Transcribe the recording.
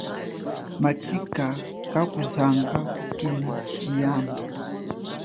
Matshika kazanga kukina tshiyanda.